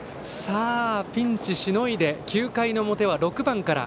ピンチしのいで９回の表は６番から。